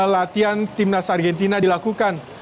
latihan timnas argentina dilakukan